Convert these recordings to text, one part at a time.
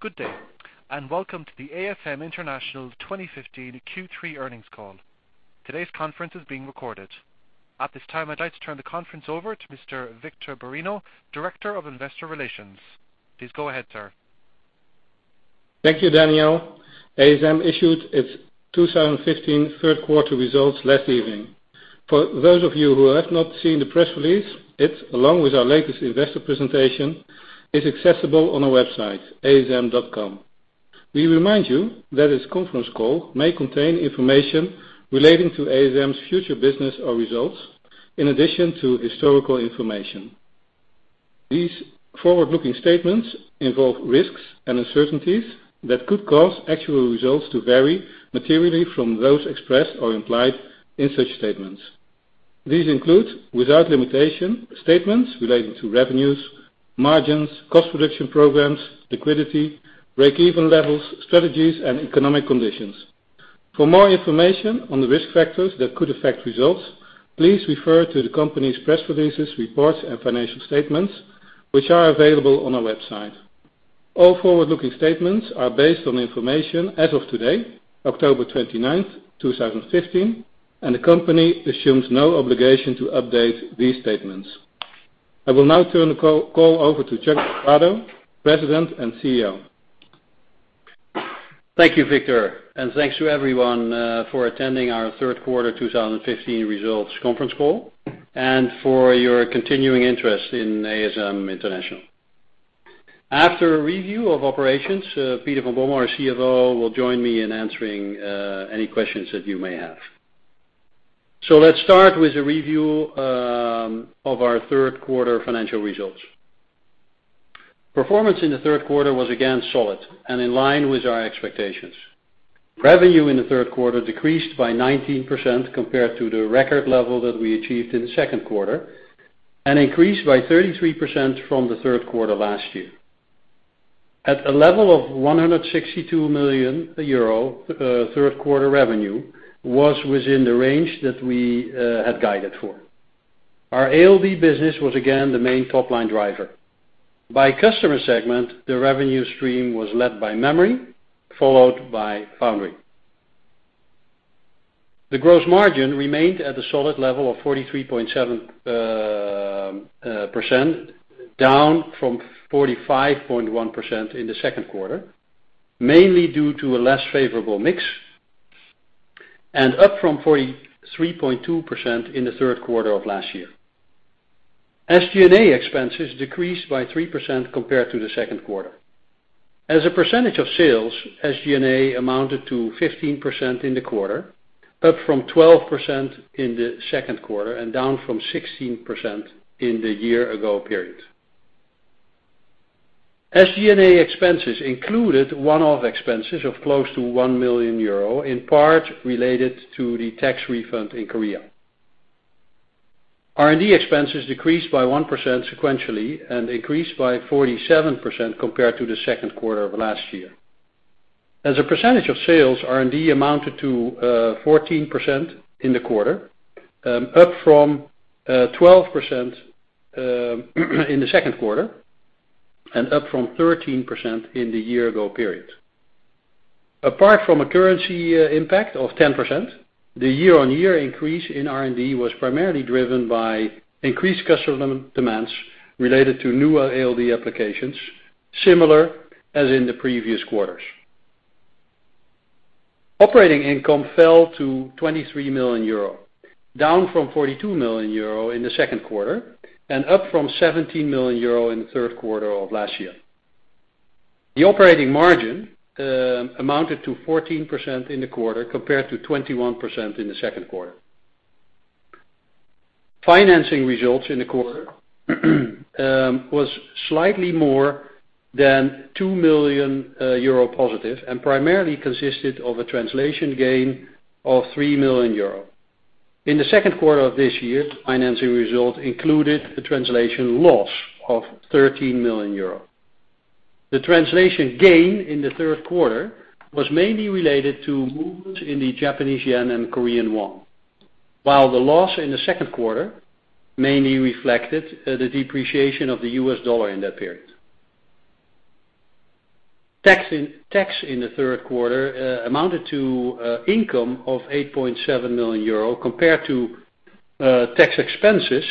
Good day, welcome to the ASM International 2015 Q3 earnings call. Today's conference is being recorded. At this time, I'd like to turn the conference over to Mr. Victor Bareño, Director of Investor Relations. Please go ahead, sir. Thank you, Daniel. ASM issued its 2015 third-quarter results last evening. For those of you who have not seen the press release, it, along with our latest investor presentation, is accessible on our website, asm.com. We remind you that this conference call may contain information relating to ASM's future business or results, in addition to historical information. These forward-looking statements involve risks and uncertainties that could cause actual results to vary materially from those expressed or implied in such statements. These include, without limitation, statements relating to revenues, margins, cost reduction programs, liquidity, break-even levels, strategies, and economic conditions. For more information on the risk factors that could affect results, please refer to the company's press releases, reports, and financial statements, which are available on our website. All forward-looking statements are based on information as of today, October 29th, 2015, and the company assumes no obligation to update these statements. I will now turn the call over to Chuck del Prado, President and CEO. Thank you, Victor, and thanks to everyone for attending our third quarter 2015 results conference call and for your continuing interest in ASM International. After a review of operations, Pieter van Bommel, our CFO, will join me in answering any questions that you may have. Let's start with a review of our third quarter financial results. Performance in the third quarter was again solid and in line with our expectations. Revenue in the third quarter decreased by 19% compared to the record level that we achieved in the second quarter and increased by 33% from the third quarter last year. At a level of 162 million euro, third-quarter revenue was within the range that we had guided for. Our ALD business was again the main top-line driver. By customer segment, the revenue stream was led by memory, followed by foundry. The gross margin remained at a solid level of 43.7%, down from 45.1% in the second quarter, mainly due to a less favorable mix, and up from 43.2% in the third quarter of last year. SG&A expenses decreased by 3% compared to the second quarter. As a percentage of sales, SG&A amounted to 15% in the quarter, up from 12% in the second quarter and down from 16% in the year-ago period. SG&A expenses included one-off expenses of close to 1 million euro, in part related to the tax refund in Korea. R&D expenses decreased by 1% sequentially and increased by 47% compared to the second quarter of last year. As a percentage of sales, R&D amounted to 14% in the quarter, up from 12% in the second quarter and up from 13% in the year-ago period. Apart from a currency impact of 10%, the year-on-year increase in R&D was primarily driven by increased customer demands related to newer ALD applications, similar as in the previous quarters. Operating income fell to 23 million euro, down from 42 million euro in the second quarter, and up from 17 million euro in the third quarter of last year. The operating margin amounted to 14% in the quarter, compared to 21% in the second quarter. Financing results in the quarter was slightly more than 2 million euro positive and primarily consisted of a translation gain of 3 million euro. In the second quarter of this year, financing results included a translation loss of 13 million euro. The translation gain in the third quarter was mainly related to movements in the Japanese yen and Korean won, while the loss in the second quarter mainly reflected the depreciation of the US dollar in that period. Tax in the third quarter amounted to income of 8.7 million euro compared to tax expenses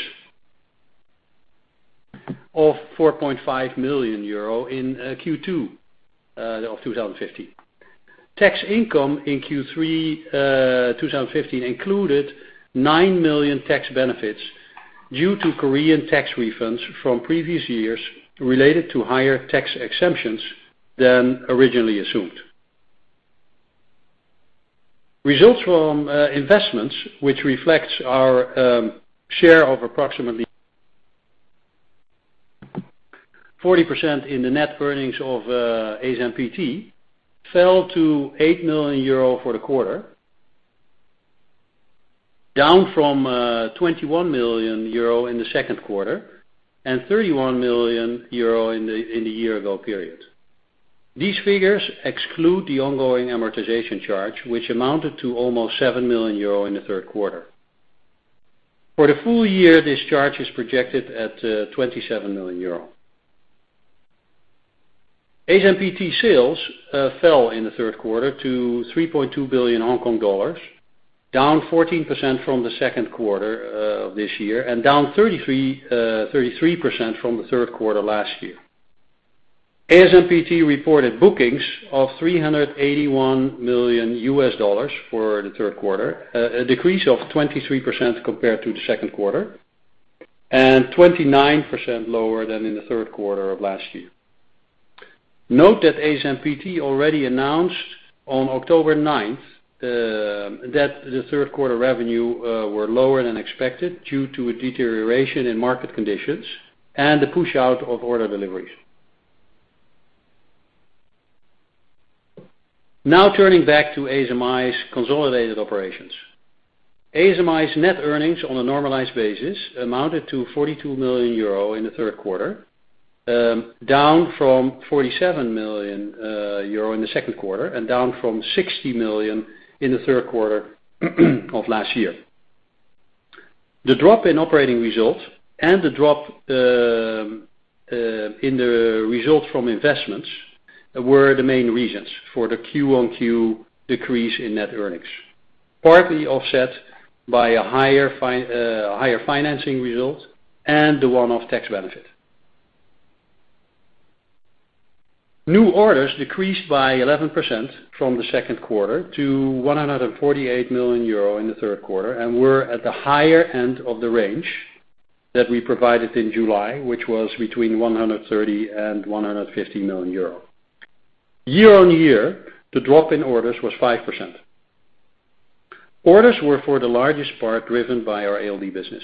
of 4.5 million euro in Q2 of 2015. Tax income in Q3 2015 included 9 million tax benefits due to Korean tax refunds from previous years related to higher tax exemptions than originally assumed. Results from investments, which reflects our share of approximately 40% in the net earnings of ASMPT, fell to 8 million euro for the quarter, down from 21 million euro in the second quarter and 31 million euro in the year-ago period. These figures exclude the ongoing amortization charge, which amounted to almost 7 million euro in the third quarter. For the full year, this charge is projected at 27 million euro. ASMPT sales fell in the third quarter to 3.2 billion Hong Kong dollars, down 14% from the second quarter of this year and down 33% from the third quarter last year. ASMPT reported bookings of EUR 381 million for the third quarter, a decrease of 23% compared to the second quarter, and 29% lower than in the third quarter of last year. Note that ASMPT already announced on October 9th that the third quarter revenue were lower than expected due to a deterioration in market conditions and the push-out of order deliveries. Now turning back to ASMI's consolidated operations. ASMI's net earnings on a normalized basis amounted to 42 million euro in the third quarter, down from 47 million euro in the second quarter and down from 60 million in the third quarter of last year. The drop in operating results and the drop in the results from investments were the main reasons for the Q-on-Q decrease in net earnings, partly offset by a higher financing result and the one-off tax benefit. New orders decreased by 11% from the second quarter to €148 million in the third quarter and were at the higher end of the range that we provided in July, which was between €130 and €150 million. Year-on-year, the drop in orders was 5%. Orders were for the largest part driven by our ALD business.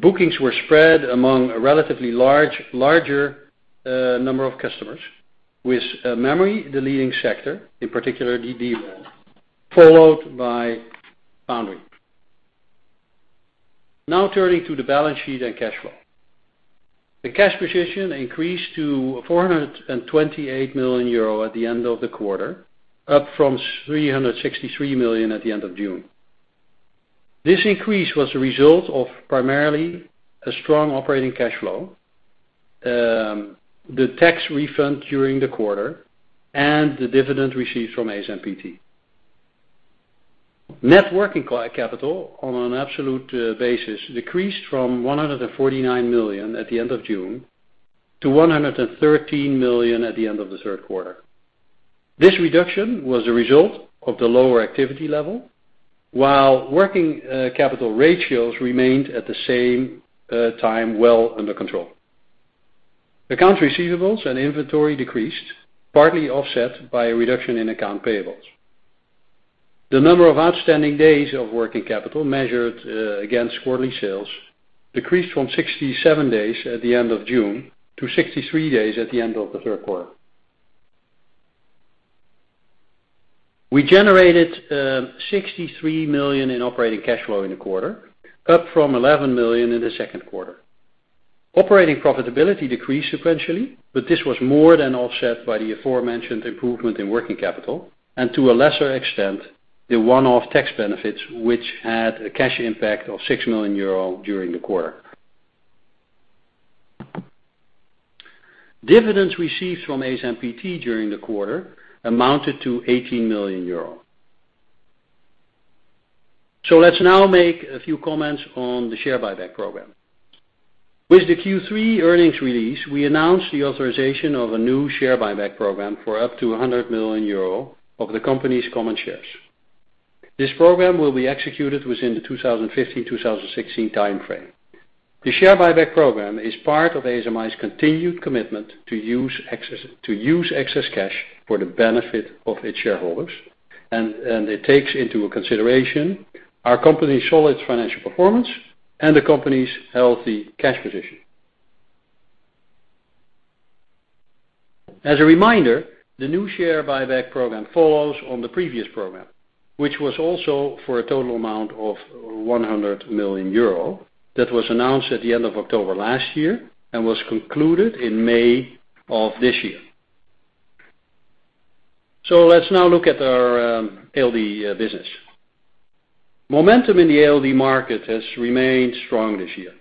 Bookings were spread among a relatively larger number of customers with memory, the leading sector, in particular DRAM, followed by foundry. Turning to the balance sheet and cash flow. The cash position increased to €428 million at the end of the quarter, up from €363 million at the end of June. This increase was a result of primarily a strong operating cash flow, the tax refund during the quarter, and the dividend received from ASMPT. Net working capital on an absolute basis decreased from €149 million at the end of June to €113 million at the end of the third quarter. This reduction was a result of the lower activity level while working capital ratios remained at the same time well under control. Accounts receivables and inventory decreased, partly offset by a reduction in account payables. The number of outstanding days of working capital measured against quarterly sales decreased from 67 days at the end of June to 63 days at the end of the third quarter. We generated €63 million in operating cash flow in the quarter, up from €11 million in the second quarter. Operating profitability decreased sequentially, but this was more than offset by the aforementioned improvement in working capital and to a lesser extent, the one-off tax benefits, which had a cash impact of €6 million during the quarter. Dividends received from ASMPT during the quarter amounted to €18 million. Let's now make a few comments on the share buyback program. With the Q3 earnings release, we announced the authorization of a new share buyback program for up to €100 million of the company's common shares. This program will be executed within the 2015-2016 time frame. The share buyback program is part of ASMI's continued commitment to use excess cash for the benefit of its shareholders, and it takes into consideration our company's solid financial performance and the company's healthy cash position. As a reminder, the new share buyback program follows on the previous program, which was also for a total amount of €100 million that was announced at the end of October last year and was concluded in May of this year. Let's now look at our ALD business. Momentum in the ALD market has remained strong this year.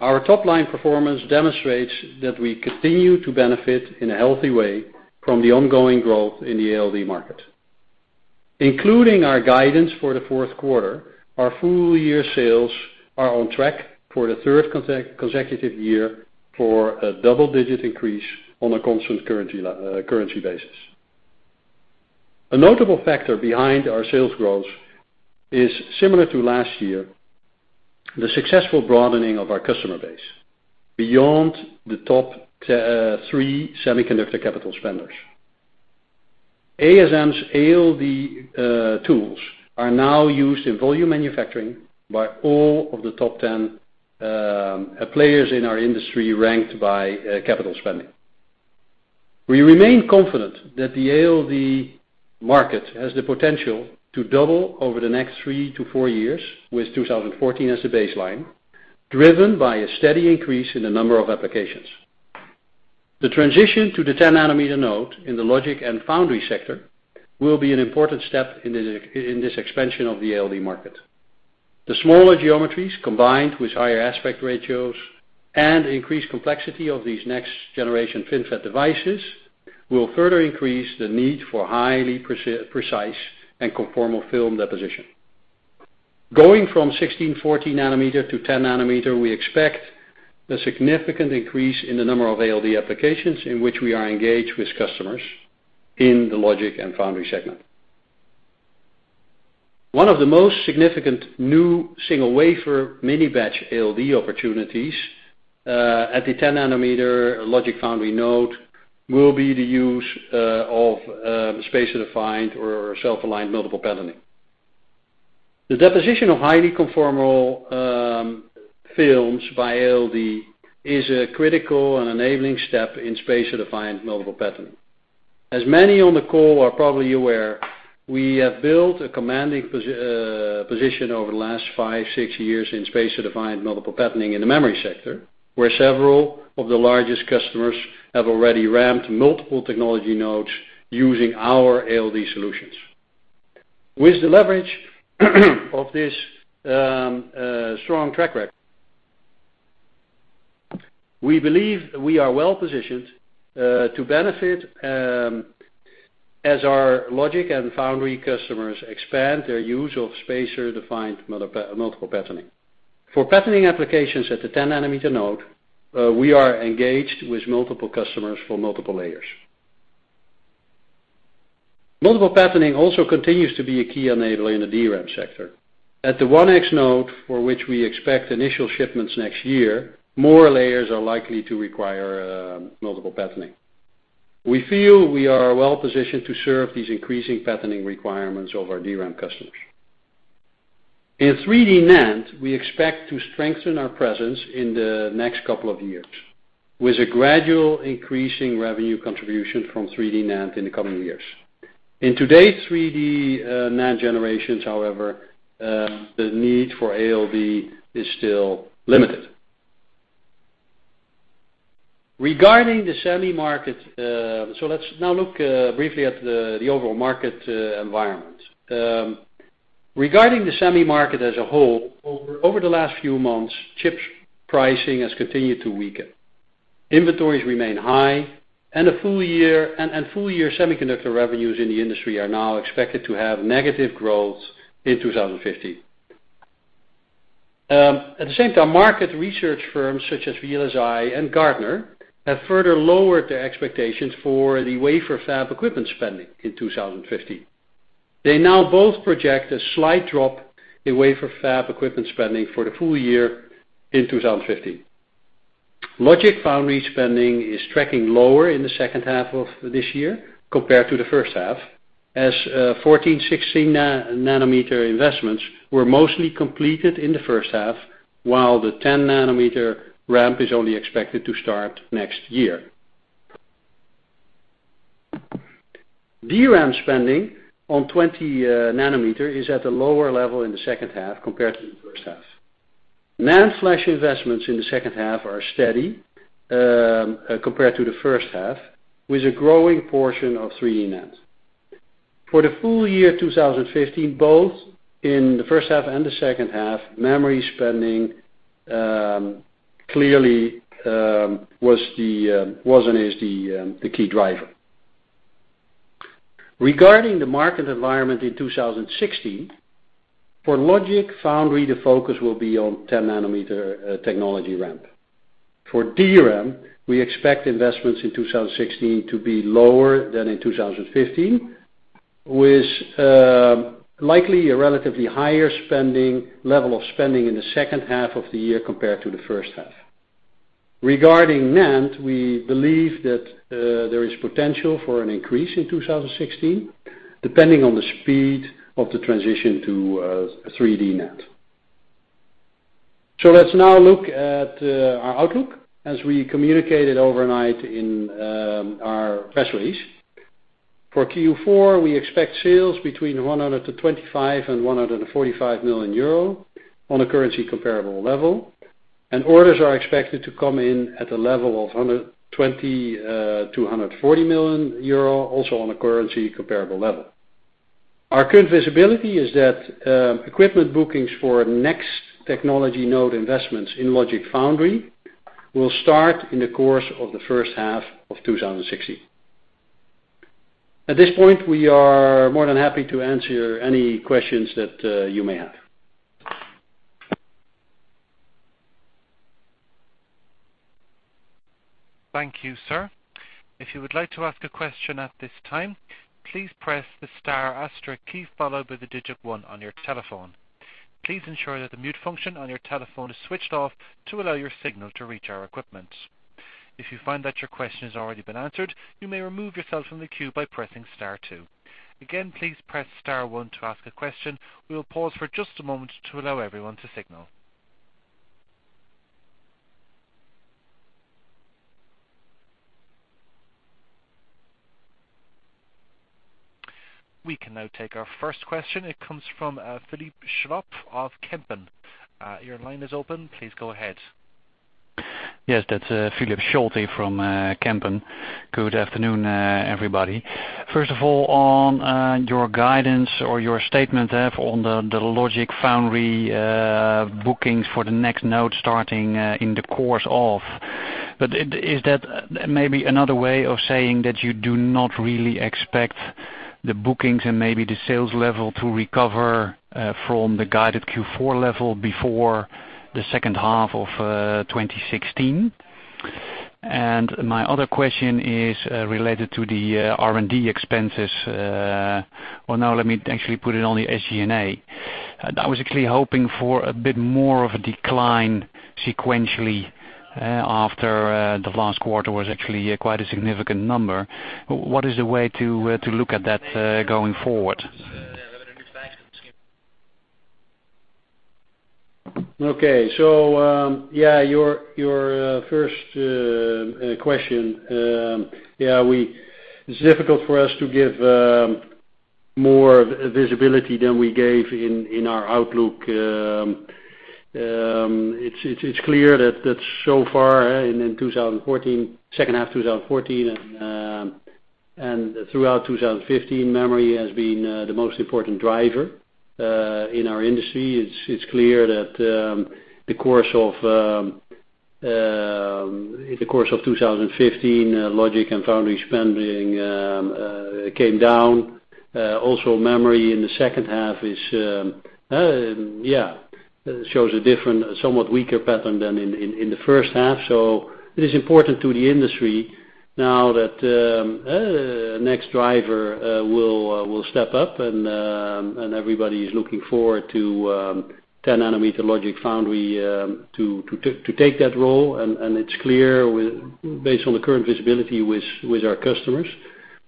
Our top-line performance demonstrates that we continue to benefit in a healthy way from the ongoing growth in the ALD market. Including our guidance for the fourth quarter, our full-year sales are on track for the third consecutive year for a double-digit increase on a constant currency basis. A notable factor behind our sales growth is similar to last year, the successful broadening of our customer base beyond the top three semiconductor capital spenders. ASM's ALD tools are now used in volume manufacturing by all of the top 10 players in our industry ranked by capital spending. We remain confident that the ALD market has the potential to double over the next three to four years, with 2014 as the baseline, driven by a steady increase in the number of applications. The transition to the 10 nanometer node in the logic and foundry sector will be an important step in this expansion of the ALD market. The smaller geometries, combined with higher aspect ratios and increased complexity of these next generation FinFET devices, will further increase the need for highly precise and conformal film deposition. Going from 16/14 nanometer to 10 nanometer, we expect a significant increase in the number of ALD applications in which we are engaged with customers in the logic and foundry segment. One of the most significant new single wafer mini batch ALD opportunities at the 10 nanometer logic foundry node will be the use of spacer-defined or self-aligned multiple patterning. The deposition of highly conformal films by ALD is a critical and enabling step in spacer-defined multiple patterning. As many on the call are probably aware, we have built a commanding position over the last five, six years in spacer-defined multiple patterning in the memory sector, where several of the largest customers have already ramped multiple technology nodes using our ALD solutions. With the leverage of this strong track record, we believe we are well-positioned to benefit as our logic and foundry customers expand their use of spacer-defined multiple patterning. For patterning applications at the 10 nanometer node, we are engaged with multiple customers for multiple layers. Multiple patterning also continues to be a key enabler in the DRAM sector. At the 1X node, for which we expect initial shipments next year, more layers are likely to require multiple patterning. We feel we are well-positioned to serve these increasing patterning requirements of our DRAM customers. In 3D NAND, we expect to strengthen our presence in the next couple of years, with a gradual increase in revenue contribution from 3D NAND in the coming years. In today's 3D NAND generations, however, the need for ALD is still limited. Let's now look briefly at the overall market environment. Regarding the semi market as a whole, over the last few months, chip pricing has continued to weaken. Inventories remain high, and full year semiconductor revenues in the industry are now expected to have negative growth in 2015. At the same time, market research firms such as VLSI and Gartner have further lowered their expectations for the wafer fab equipment spending in 2015. They now both project a slight drop in wafer fab equipment spending for the full year in 2015. Logic foundry spending is tracking lower in the second half of this year compared to the first half, as 14/16 nanometer investments were mostly completed in the first half, while the 10 nanometer ramp is only expected to start next year. DRAM spending on 20 nanometer is at a lower level in the second half compared to the first half. NAND flash investments in the second half are steady compared to the first half, with a growing portion of 3D NAND. For the full year 2015, both in the first half and the second half, memory spending clearly wasn't the key driver. Regarding the market environment in 2016, for logic foundry, the focus will be on 10 nanometer technology ramp. For DRAM, we expect investments in 2016 to be lower than in 2015, with likely a relatively higher level of spending in the second half of the year compared to the first half. Regarding NAND, we believe that there is potential for an increase in 2016, depending on the speed of the transition to 3D NAND. Let's now look at our outlook as we communicated overnight in our press release. For Q4, we expect sales between 125 million euro and 145 million euro on a currency comparable level, and orders are expected to come in at a level of 120 million-140 million euro, also on a currency comparable level. Our current visibility is that equipment bookings for next technology node investments in logic foundry will start in the course of the first half of 2016. At this point, we are more than happy to answer any questions that you may have. Thank you, sir. If you would like to ask a question at this time, please press the star key, followed by the digit one on your telephone. Please ensure that the mute function on your telephone is switched off to allow your signal to reach our equipment. If you find that your question has already been answered, you may remove yourself from the queue by pressing star two. Again, please press star one to ask a question. We will pause for just a moment to allow everyone to signal. We can now take our first question. It comes from Philippe Scholte of Kempen. Your line is open. Please go ahead. Yes, that's Philippe Scholte from Kempen. Good afternoon, everybody. First of all, on your guidance or your statement on the logic foundry bookings for the next node starting in the course of. Is that maybe another way of saying that you do not really expect the bookings and maybe the sales level to recover from the guided Q4 level before the second half of 2016? My other question is related to the R&D expenses. No, let me actually put it on the SG&A. I was actually hoping for a bit more of a decline sequentially after the last quarter was actually quite a significant number. What is the way to look at that going forward? Your first question. It's difficult for us to give more visibility than we gave in our outlook. It's clear that so far in second half of 2014 and throughout 2015, memory has been the most important driver in our industry. It's clear that in the course of 2015, logic and foundry spending came down. Also memory in the second half shows a different, somewhat weaker pattern than in the first half. It is important to the industry now that the next driver will step up and everybody is looking forward to 10 nanometer logic foundry to take that role. It's clear based on the current visibility with our customers,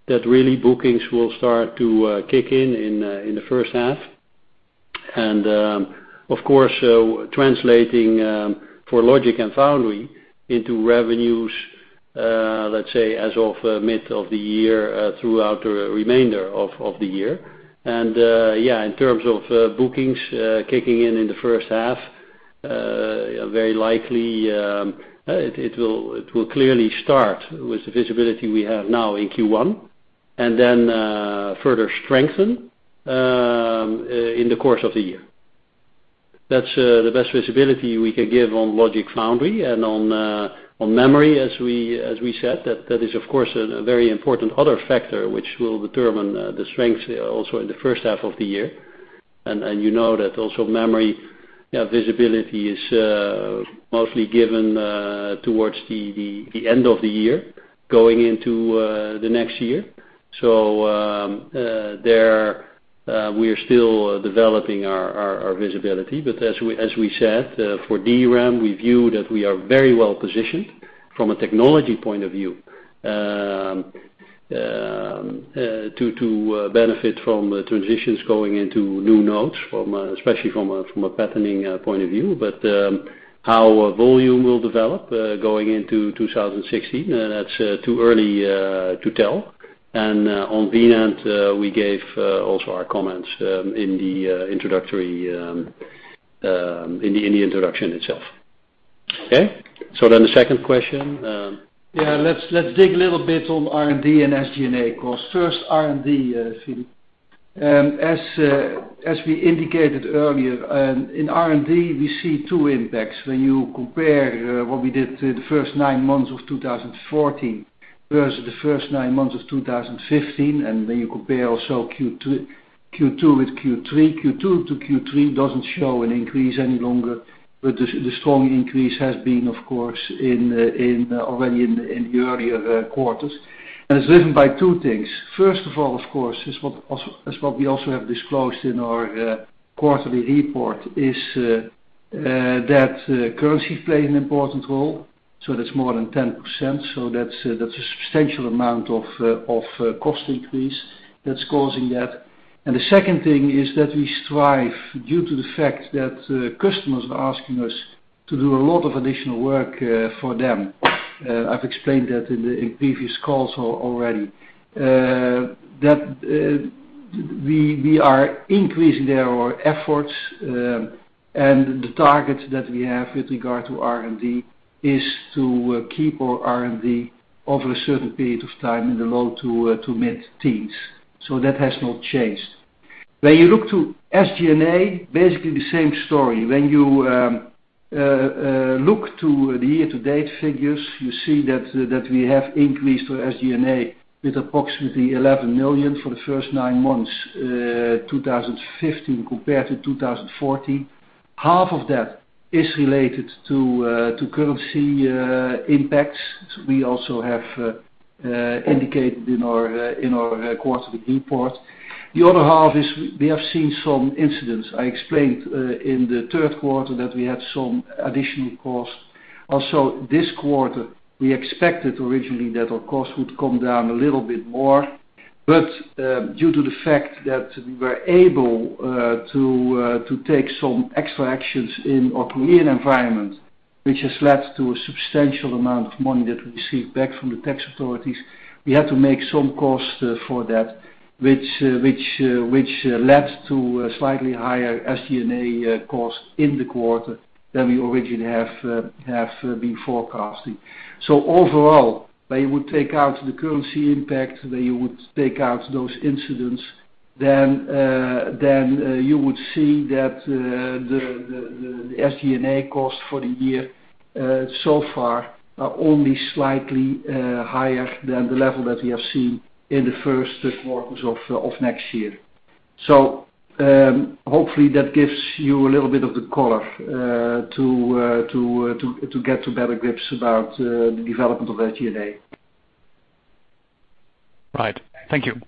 that really bookings will start to kick in the first half. Of course, translating for logic and foundry into revenues, let's say as of mid of the year, throughout the remainder of the year. In terms of bookings kicking in in the first half, very likely, it will clearly start with the visibility we have now in Q1 and then further strengthen in the course of the year. That's the best visibility we can give on logic foundry and on memory, as we said, that is of course a very important other factor, which will determine the strength also in the first half of the year. You know that also memory visibility is mostly given towards the end of the year, going into the next year. We are still developing our visibility. As we said, for DRAM, we view that we are very well positioned from a technology point of view to benefit from transitions going into new nodes, especially from a patterning point of view. How volume will develop going into 2016, that's too early to tell. On NAND, we gave also our comments in the introduction itself. Okay. The second question. Yeah, let's dig a little bit on R&D and SG&A cost. First R&D, Philippe. As we indicated earlier, in R&D, we see two impacts. When you compare what we did the first nine months of 2014 versus the first nine months of 2015, and when you compare also Q2 with Q3. Q2 to Q3 doesn't show an increase any longer, but the strong increase has been, of course, already in the earlier quarters. It's driven by two things. First of all, of course, is what we also have disclosed in our quarterly report is that currency plays an important role, so that's more than 10%. That's a substantial amount of cost increase that's causing that. The second thing is that we strive, due to the fact that customers are asking us to do a lot of additional work for them. I've explained that in previous calls already. That we are increasing there our efforts, and the target that we have with regard to R&D is to keep our R&D over a certain period of time in the low to mid-teens. That has not changed. When you look to SG&A, basically the same story. When you look to the year-to-date figures, you see that we have increased our SG&A with approximately 11 million for the first nine months 2015 compared to 2014. Half of that is related to currency impacts. We also have indicated in our quarterly report. The other half is we have seen some incidents. I explained in the third quarter that we had some additional costs. Also this quarter, we expected originally that our costs would come down a little bit more due to the fact that we were able to take some extra actions in our Korean environment, which has led to a substantial amount of money that we received back from the tax authorities, we had to make some costs for that, which led to slightly higher SG&A costs in the quarter than we originally have been forecasting. Overall, when you would take out the currency impact, when you would take out those incidents, you would see that the SG&A cost for the year so far are only slightly higher than the level that we have seen in the first quarters of next year. Hopefully that gives you a little bit of the color to get to better grips about the development of SG&A. Right. Thank you.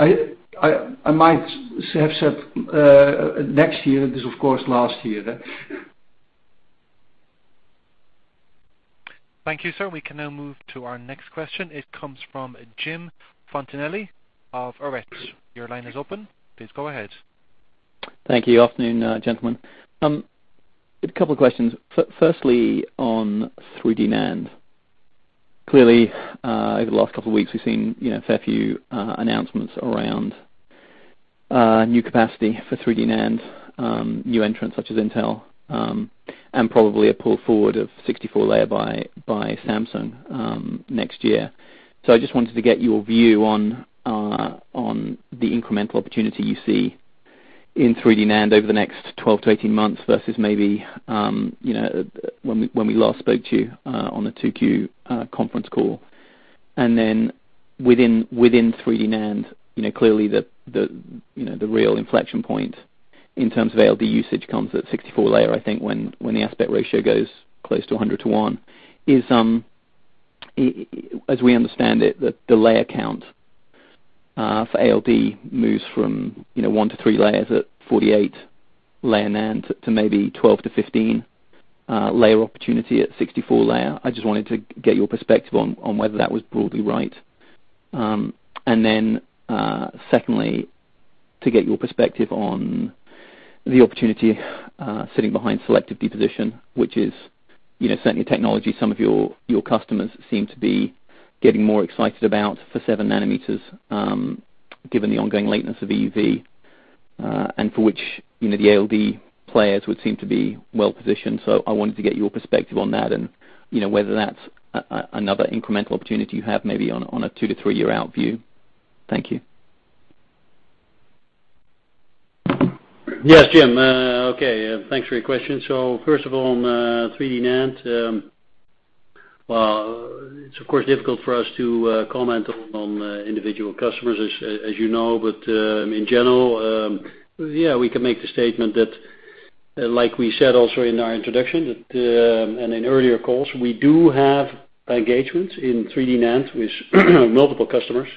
I might have said next year. This, of course, last year. Thank you, sir. We can now move to our next question. It comes from Jim Fontanelli of Arete. Your line is open. Please go ahead. Thank you. Afternoon, gentlemen. A couple of questions. Firstly, on 3D NAND. Clearly, over the last couple of weeks, we've seen a fair few announcements around new capacity for 3D NAND, new entrants such as Intel, probably a pull forward of 64-layer by Samsung next year. I just wanted to get your view on the incremental opportunity you see in 3D NAND over the next 12-18 months versus maybe, when we last spoke to you, on the 2Q conference call. Within 3D NAND, clearly the real inflection point in terms of ALD usage comes at 64-layer, I think, when the aspect ratio goes close to 100:1. As we understand it, the layer count for ALD moves from one to three layers at 48-layer NAND to maybe 12-15-layer opportunity at 64-layer. I just wanted to get your perspective on whether that was broadly right. Secondly, to get your perspective on the opportunity sitting behind selective deposition, which is certainly a technology some of your customers seem to be getting more excited about for 7 nm, given the ongoing lateness of EUV, and for which the ALD players would seem to be well-positioned. I wanted to get your perspective on that and whether that's another incremental opportunity you have, maybe on a two to three-year-out view. Thank you. Yes, Jim. Okay, thanks for your question. First of all, on 3D NAND, well, it's of course difficult for us to comment on individual customers, as you know. In general, yeah, we can make the statement that, like we said also in our introduction and in earlier calls, we do have engagements in 3D NAND with multiple customers.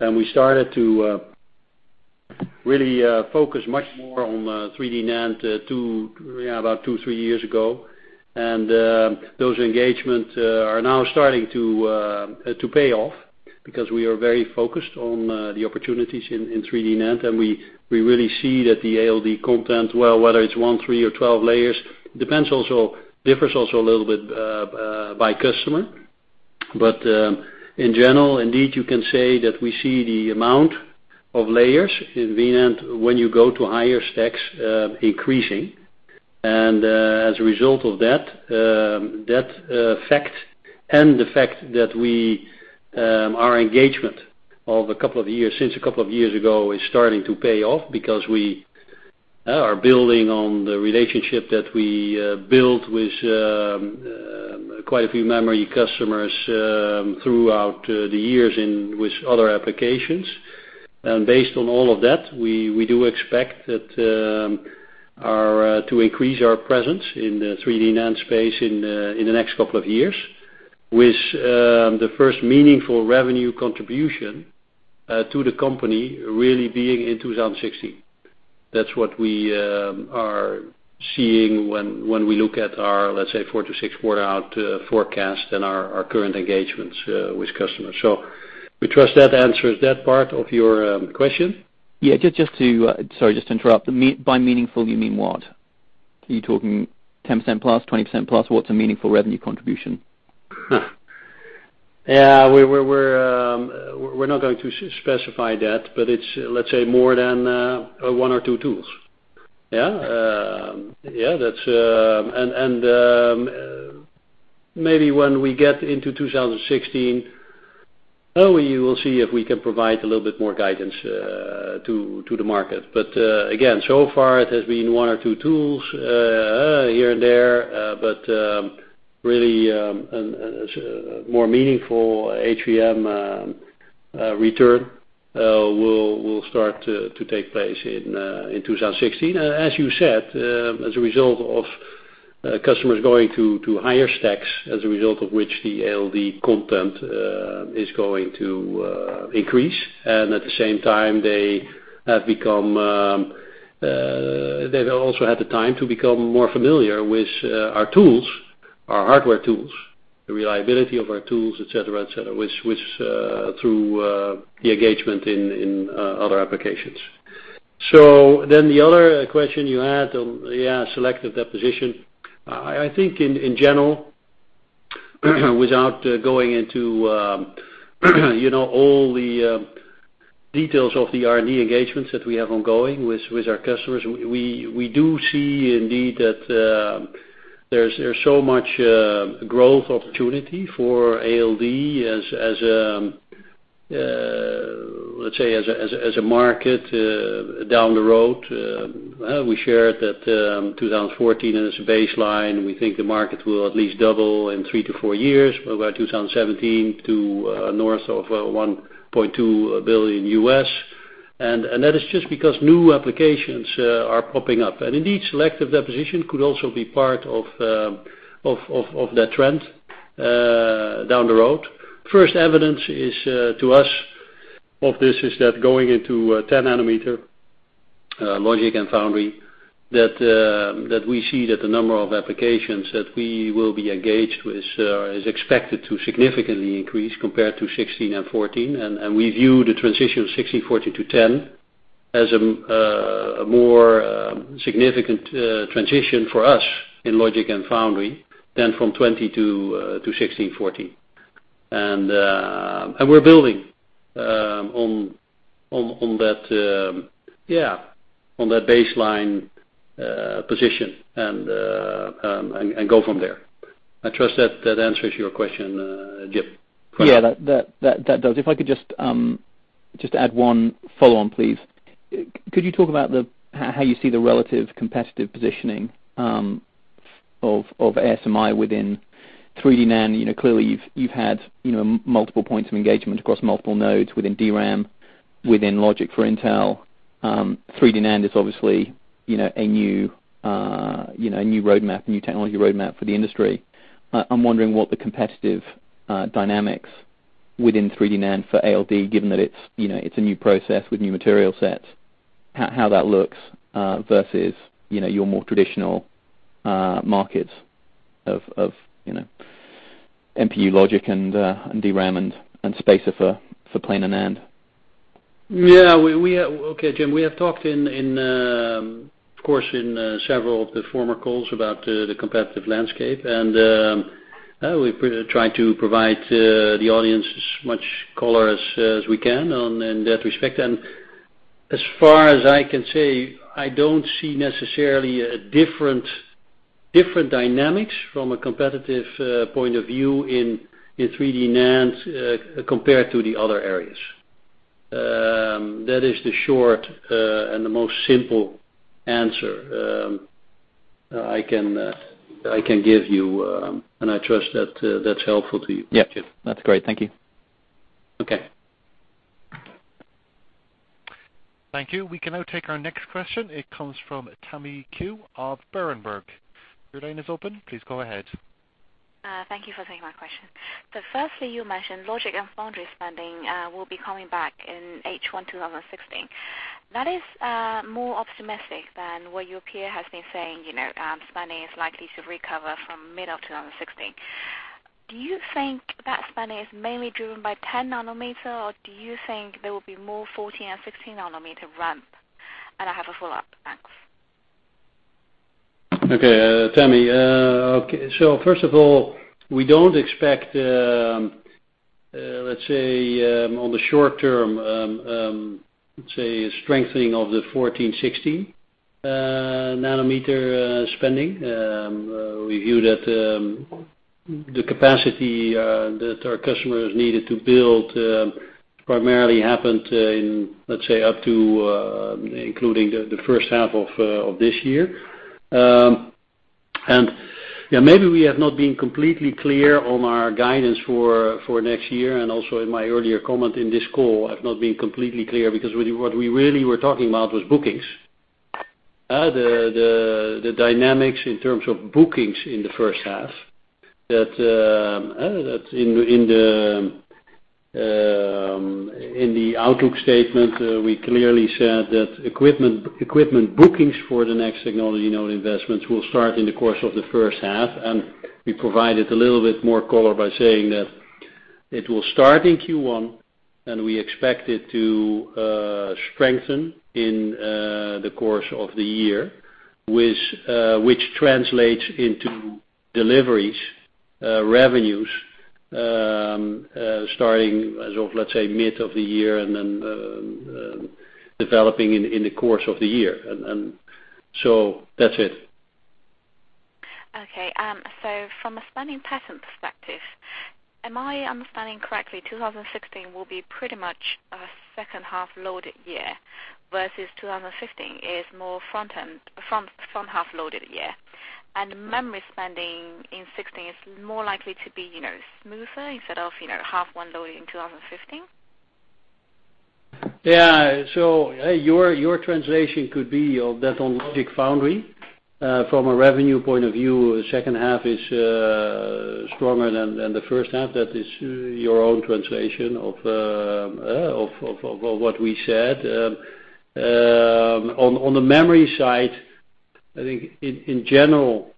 We started to really focus much more on 3D NAND about two, three years ago. Those engagements are now starting to pay off, because we are very focused on the opportunities in 3D NAND, and we really see that the ALD content, well, whether it's one, three, or 12 layers, differs also a little bit by customer. In general, indeed, you can say that we see the amount of layers in VNAND when you go to higher stacks increasing. As a result of that fact and the fact that our engagement since a couple of years ago is starting to pay off, because we are building on the relationship that we built with quite a few memory customers throughout the years and with other applications. Based on all of that, we do expect to increase our presence in the 3D NAND space in the next couple of years, with the first meaningful revenue contribution to the company really being in 2016. That's what we are seeing when we look at our, let's say, four to six quarter-out forecast and our current engagements with customers. We trust that answers that part of your question. Yeah. Sorry, just to interrupt. By meaningful, you mean what? Are you talking 10% plus, 20% plus? What's a meaningful revenue contribution? Yeah. We're not going to specify that, but it's, let's say, more than one or two tools. Yeah. Maybe when we get into 2016, we will see if we can provide a little bit more guidance to the market. Again, so far it has been one or two tools here and there. Really, a more meaningful at-the-market offering will start to take place in 2016. As you said, as a result of customers going to higher stacks, as a result of which the ALD content is going to increase. At the same time, they've also had the time to become more familiar with our tools, our hardware tools, the reliability of our tools, et cetera, et cetera, through the engagement in other applications. The other question you had on selective deposition. I think in general, without going into all the details of the R&D engagements that we have ongoing with our customers, we do see indeed that there's so much growth opportunity for ALD, let's say, as a market down the road. We shared that 2014 as a baseline. We think the market will at least double in three to four years, by 2017 to north of 1.2 billion. That is just because new applications are popping up. Indeed, selective deposition could also be part of that trend down the road. First evidence to us of this is that going into 10 nanometer logic and foundry, that we see that the number of applications that we will be engaged with is expected to significantly increase compared to 16 and 14. We view the transition of 16/14 to 10 as a more significant transition for us in logic and foundry than from 20 to 16/14. We're building on that baseline position and go from there. I trust that answers your question, Jim. Yeah, that does. If I could just add one follow-on, please. Could you talk about how you see the relative competitive positioning of ASMI within 3D NAND? Clearly, you've had multiple points of engagement across multiple nodes within DRAM, within logic for Intel. 3D NAND is obviously a new technology roadmap for the industry. I'm wondering what the competitive dynamics within 3D NAND for ALD, given that it's a new process with new material sets, how that looks versus your more traditional markets of NPU logic and DRAM and spacer for planar NAND. Yeah. Okay, Jim, we have talked, of course, in several of the former calls about the competitive landscape. We try to provide the audience as much color as we can in that respect. As far as I can say, I don't see necessarily different dynamics from a competitive point of view in 3D NAND compared to the other areas. That is the short and the most simple answer I can give you, and I trust that's helpful to you, Jim. Yeah. That's great. Thank you. Okay. Thank you. We can now take our next question. It comes from Tammy Qiu of Berenberg. Your line is open. Please go ahead. Thank you for taking my question. Firstly, you mentioned logic and foundry spending will be coming back in H1 2016. That is more optimistic than what your peer has been saying. Spending is likely to recover from mid of 2016. Do you think that spending is mainly driven by 10 nanometer, or do you think there will be more 14 and 16 nanometer ramp? I have a follow-up. Thanks. Okay, Tammy. First of all, we don't expect, let's say, on the short term, let's say, a strengthening of the 14/16 nanometer spending. We view that the capacity that our customers needed to build primarily happened in, let's say, up to including the first half of this year. Yeah, maybe we have not been completely clear on our guidance for next year, and also in my earlier comment in this call, I've not been completely clear because what we really were talking about was bookings. The dynamics in terms of bookings in the first half. In the outlook statement, we clearly said that equipment bookings for the next technology node investments will start in the course of the first half, we provided a little bit more color by saying that it will start in Q1, and we expect it to strengthen in the course of the year, which translates into deliveries, revenues, starting as of, let's say, mid of the year and then developing in the course of the year. That's it. Okay. From a spending pattern perspective, am I understanding correctly, 2016 will be pretty much a second half-loaded year versus 2015 is more front half-loaded year? Memory spending in 2016 is more likely to be smoother instead of half 1 load in 2015? Yeah. Your translation could be on that on logic foundry. From a revenue point of view, second half is stronger than the first half. That is your own translation of what we said. On the memory side, I think in general,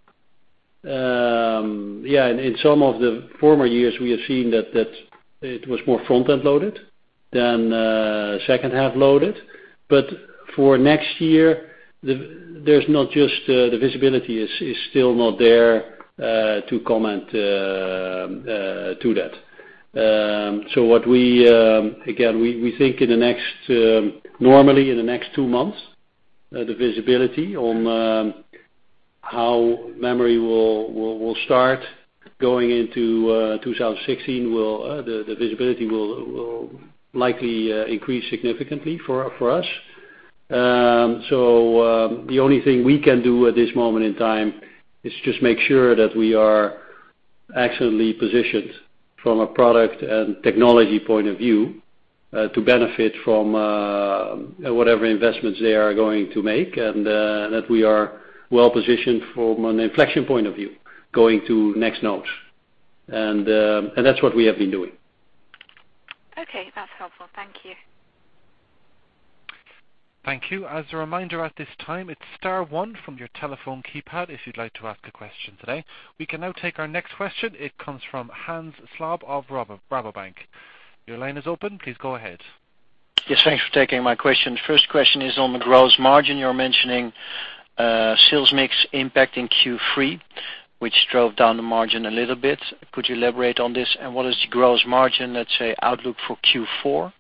in some of the former years, we have seen that it was more front-end loaded than second-half loaded. For next year, the visibility is still not there to comment to that. Again, we think normally in the next two months, the visibility on how memory will start going into 2016, the visibility will likely increase significantly for us. The only thing we can do at this moment in time is just make sure that we are excellently positioned from a product and technology point of view, to benefit from whatever investments they are going to make, and that we are well-positioned from an inflection point of view, going to next nodes. That's what we have been doing. Okay. That's helpful. Thank you. Thank you. As a reminder at this time, it's star one from your telephone keypad, if you'd like to ask a question today. We can now take our next question. It comes from Hans Slob of Rabobank. Your line is open. Please go ahead. Thanks for taking my question. First question is on the gross margin. You're mentioning sales mix impact in Q3, which drove down the margin a little bit. What is the gross margin, let's say, outlook for Q4?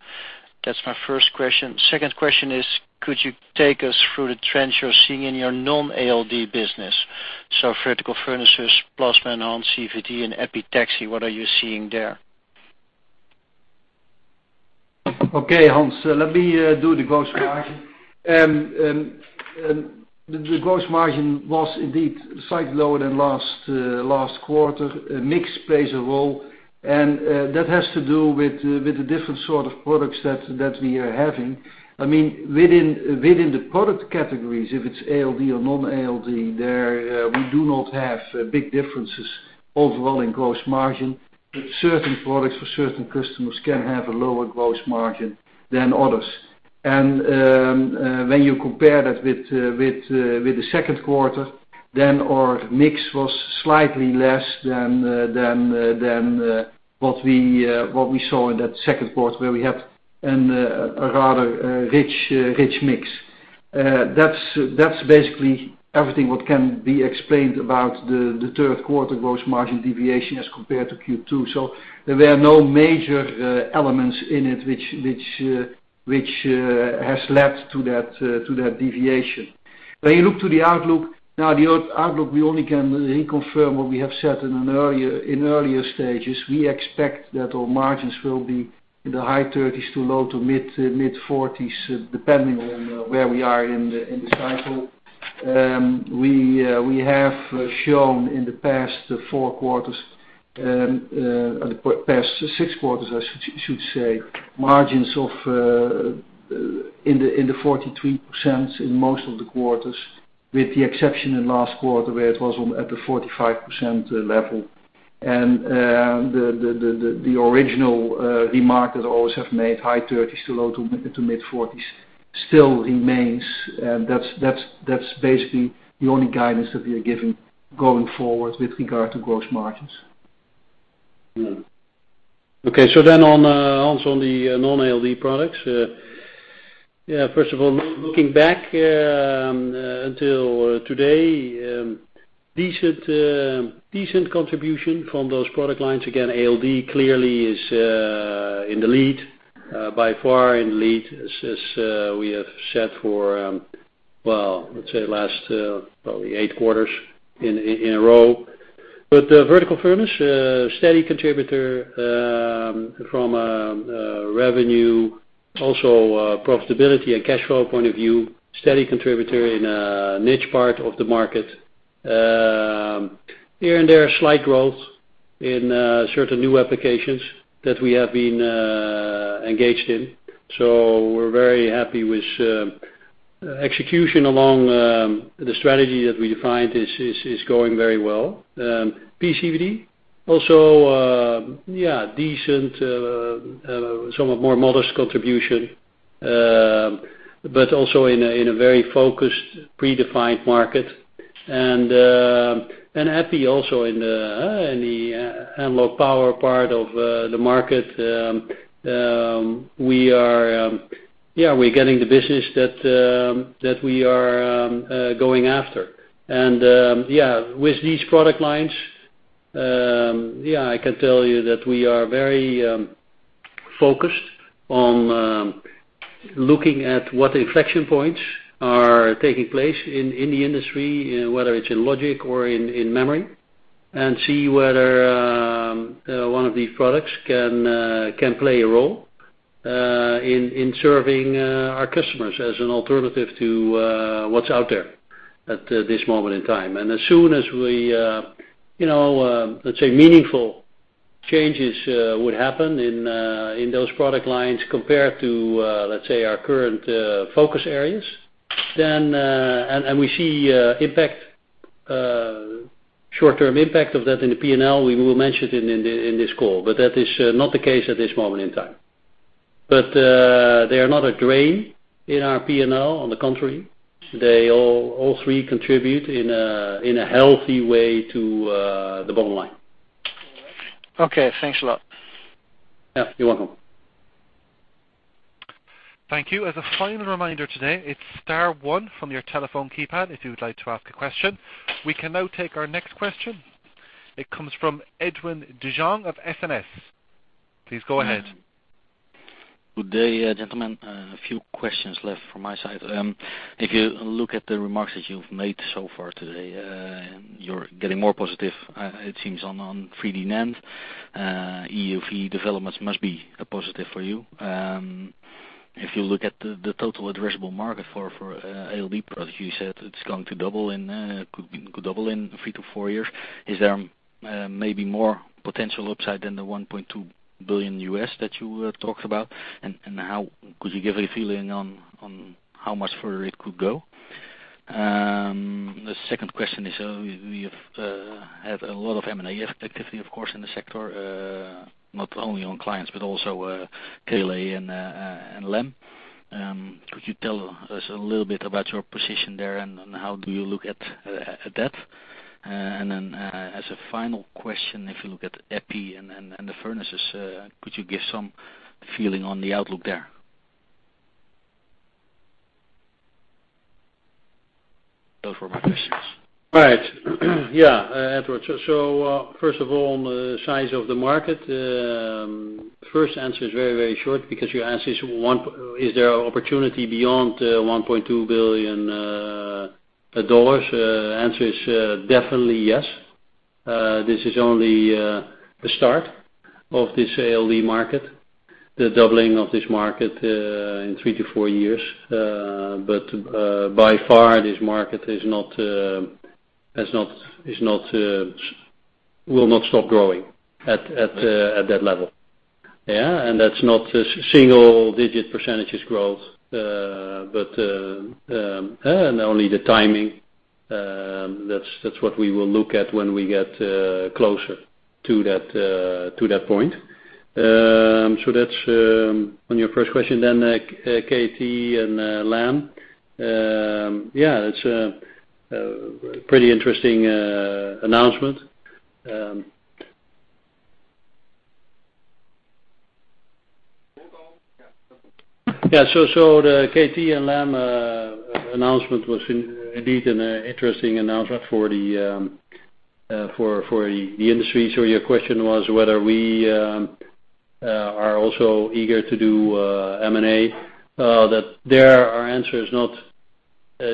That's my first question. Second question is, could you take us through the trends you're seeing in your non-ALD business? Vertical furnaces, plasma-enhanced CVD, and epitaxy, what are you seeing there? Okay, Hans, let me do the gross margin. The gross margin was indeed slightly lower than last quarter. Mix plays a role, and that has to do with the different sort of products that we are having. Within the product categories, if it's ALD or non-ALD, there we do not have big differences overall in gross margin. Certain products for certain customers can have a lower gross margin than others. When you compare that with the second quarter, our mix was slightly less than what we saw in that second quarter where we had a rather rich mix. That's basically everything what can be explained about the third quarter gross margin deviation as compared to Q2. There were no major elements in it which has led to that deviation. When you look to the outlook, the outlook, we only can reconfirm what we have said in earlier stages. We expect that our margins will be in the high 30s to low- to mid-40s, depending on where we are in the cycle. We have shown in the past four quarters, the past six quarters I should say, margins in the 43% in most of the quarters, with the exception in last quarter where it was at the 45% level. The original remark that always have made, high 30s to low- to mid-40s still remains. That's basically the only guidance that we are giving going forward with regard to gross margins. Hans, on the non-ALD products. First of all, looking back until today, decent contribution from those product lines. ALD clearly is in the lead, by far in the lead, as we have said for, let's say, last probably eight quarters in a row. Vertical furnace, steady contributor from a revenue, also profitability and cash flow point of view, steady contributor in a niche part of the market. Here and there, slight growth in certain new applications that we have been engaged in. We're very happy with execution along the strategy that we defined, is going very well. PECVD, also decent, somewhat more modest contribution, but also in a very focused, predefined market. EPI also in the analog power part of the market. We are getting the business that we are going after. With these product lines, I can tell you that we are very focused on looking at what inflection points are taking place in the industry, whether it's in logic or in memory. See whether one of these products can play a role in serving our customers as an alternative to what's out there at this moment in time. As soon as, let's say, meaningful changes would happen in those product lines compared to, let's say, our current focus areas, and we see short-term impact of that in the P&L, we will mention it in this call. That is not the case at this moment in time. They are not a drain in our P&L. On the contrary, they all three contribute in a healthy way to the bottom line. Thanks a lot. Yeah, you're welcome. Thank you. As a final reminder today, it's star one from your telephone keypad if you would like to ask a question. We can now take our next question. It comes from Edwin de Jong of SNS. Please go ahead. Good day, gentlemen. A few questions left from my side. If you look at the remarks that you've made so far today, you're getting more positive, it seems, on 3D NAND. EUV developments must be a positive for you. If you look at the total addressable market for ALD products, you said it's going to double in three to four years. Is there maybe more potential upside than the 1.2 billion that you talked about? Could you give a feeling on how much further it could go? The second question is, we have had a lot of M&A activity, of course, in the sector, not only on clients but also KLA and Lam. Could you tell us a little bit about your position there, and how do you look at that? As a final question, if you look at EPI and the furnaces, could you give some feeling on the outlook there? Those were my questions. Right. Yeah, Edwin. First of all, on the size of the market, first answer is very short because your answer is there opportunity beyond EUR 1.2 billion? Answer is definitely yes. This is only the start of this ALD market, the doubling of this market in three to four years. By far, this market will not stop growing at that level. That's not single-digit percentages growth. Only the timing, that's what we will look at when we get closer to that point. That's on your first question, KLA and Lam. That's a pretty interesting announcement. The KLA and Lam announcement was indeed an interesting announcement for the industry. Your question was whether we are also eager to do M&A. There, our answer is not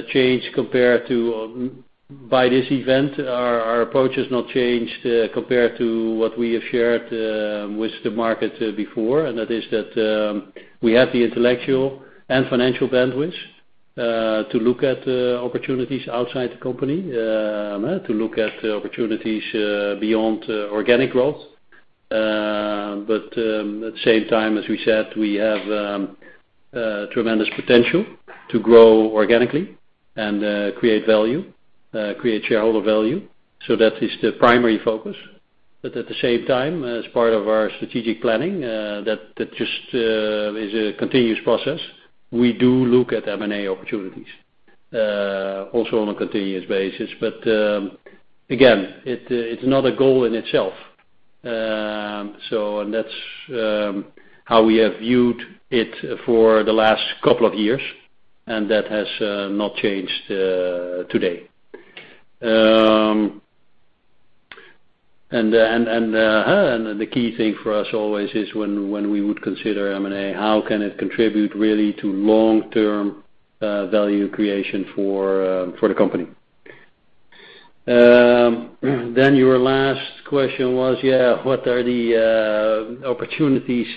changed by this event. Our approach has not changed, compared to what we have shared with the market before, and that is that we have the intellectual and financial bandwidth to look at opportunities outside the company, to look at opportunities beyond organic growth. At the same time, as we said, we have tremendous potential to grow organically and create shareholder value. That is the primary focus. At the same time, as part of our strategic planning, that just is a continuous process. We do look at M&A opportunities, also on a continuous basis. Again, it's not a goal in itself. That's how we have viewed it for the last couple of years, and that has not changed today. The key thing for us always is when we would consider M&A, how can it contribute really to long-term value creation for the company? Your last question was, what are the opportunities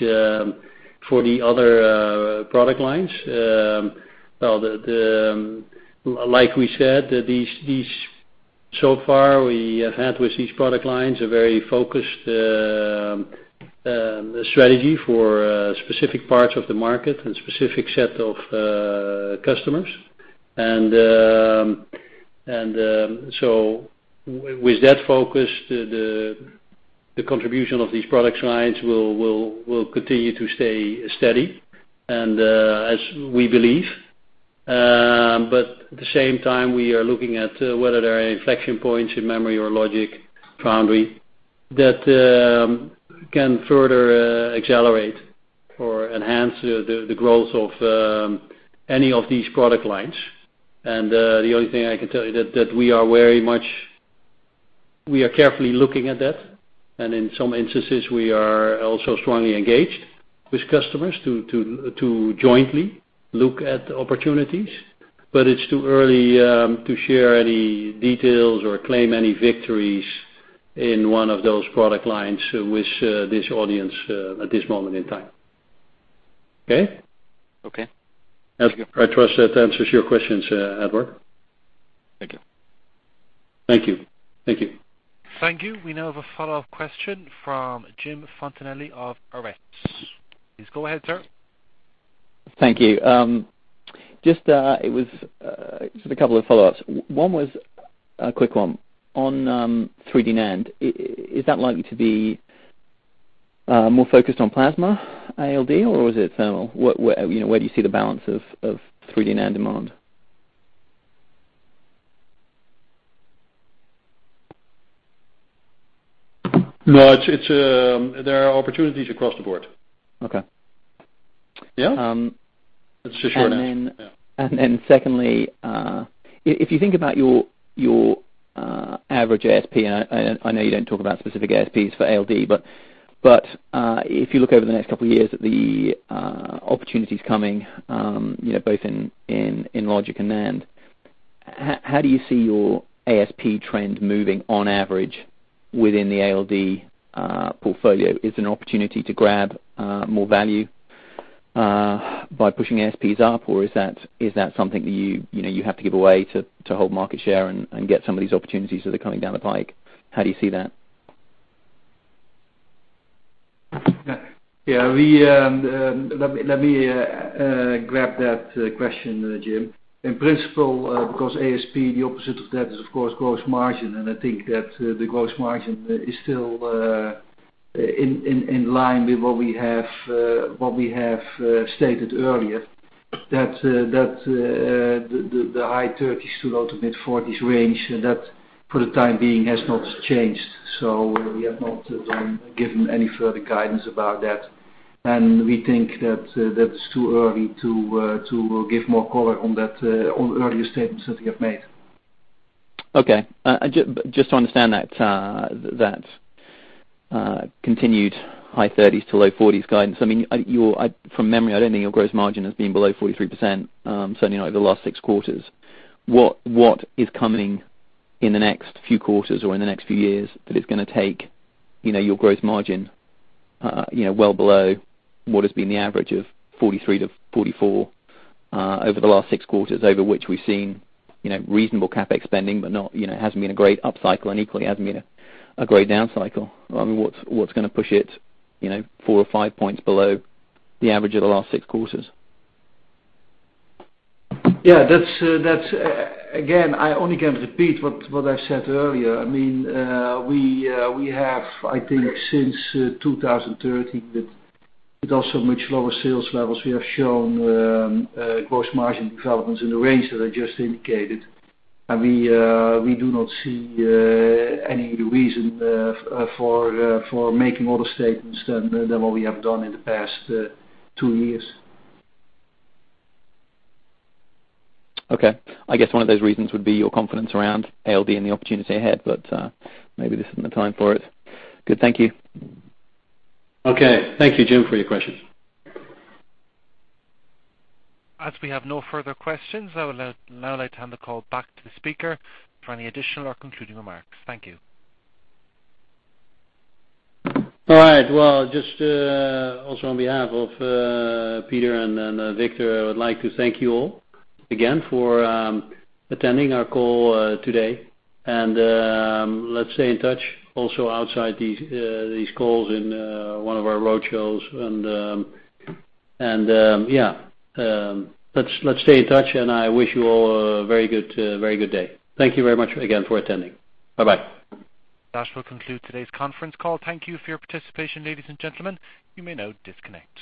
for the other product lines? Like we said, so far we have had with these product lines a very focused strategy for specific parts of the market and specific set of customers. With that focus, the contribution of these product lines will continue to stay steady as we believe. At the same time, we are looking at whether there are inflection points in memory or logic foundry that can further accelerate or enhance the growth of any of these product lines. The only thing I can tell you, that we are carefully looking at that, and in some instances, we are also strongly engaged with customers to jointly look at opportunities. It's too early to share any details or claim any victories in one of those product lines with this audience at this moment in time. Okay? Okay. I trust that answers your questions, Edwin. Thank you. Thank you. Thank you. We now have a follow-up question from Jim Fontanelli of Arete. Please go ahead, sir. Thank you. Just a couple of follow-ups. One was a quick one. On 3D NAND, is that likely to be more focused on plasma ALD? Where do you see the balance of 3D NAND demand? No, there are opportunities across the board. Okay. Yeah. That's for sure, yeah. Secondly, if you think about your average ASP, I know you don't talk about specific ASPs for ALD, but if you look over the next couple years at the opportunities coming, both in logic and NAND, how do you see your ASP trend moving on average within the ALD portfolio? Is it an opportunity to grab more value by pushing ASPs up, or is that something that you have to give away to hold market share and get some of these opportunities that are coming down the pike? How do you see that? Yeah. Let me grab that question, Jim. In principle, because ASP, the opposite of that is of course gross margin, and I think that the gross margin is still in line with what we have stated earlier, that the high 30s to low to mid-40s range, and that, for the time being, has not changed. We have not given any further guidance about that. We think that that's too early to give more color on the earlier statements that we have made. Okay. Just to understand that continued high 30s-low 40s guidance, from memory, I don't think your gross margin has been below 43%, certainly not over the last six quarters. What is coming in the next few quarters or in the next few years that is going to take your gross margin well below what has been the average of 43%-44% over the last six quarters, over which we've seen reasonable CapEx spending, but it hasn't been a great up cycle, and equally, it hasn't been a great down cycle. What's going to push it four or five points below the average of the last six quarters? Yeah. Again, I only can repeat what I've said earlier. We have, I think since 2013, with also much lower sales levels, we have shown gross margin developments in the range that I just indicated. We do not see any reason for making other statements than what we have done in the past two years. Okay. I guess one of those reasons would be your confidence around ALD and the opportunity ahead, maybe this isn't the time for it. Good. Thank you. Okay. Thank you, Jim, for your questions. As we have no further questions, I would now like to hand the call back to the speaker for any additional or concluding remarks. Thank you. All right. Well, just also on behalf of Pieter and Victor, I would like to thank you all again for attending our call today. Let's stay in touch also outside these calls in one of our roadshows. Yeah. Let's stay in touch, and I wish you all a very good day. Thank you very much again for attending. Bye-bye. That will conclude today's conference call. Thank you for your participation, ladies and gentlemen. You may now disconnect.